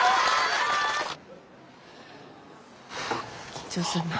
緊張するな。